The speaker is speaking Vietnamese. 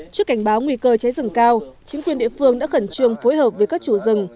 trước cảnh báo nguy cơ cháy rừng cao chính quyền địa phương đã khẩn trương phối hợp với các chủ rừng